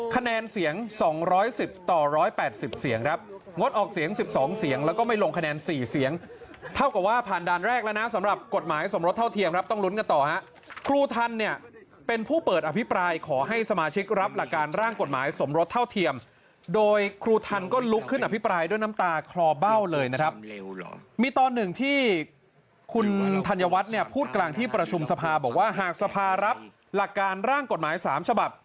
คะแนนเสียง๒๑๐ต่อ๑๘๐เสียงครับงดออกเสียง๑๒เสียงแล้วก็ไม่ลงคะแนน๔เสียงเท่ากับว่าผ่านด้านแรกแล้วนะสำหรับกฎหมายสมรสเท่าเทียมครับต้องลุ้นกันต่อครับครูทันเนี่ยเป็นผู้เปิดอภิปรายขอให้สมาชิกรับหลักการร่างกฎหมายสมรสเท่าเทียมโดยครูทันก็ลุกขึ้นอภิปรายด้วยน้ำตาคลอเบ้าเลยนะครั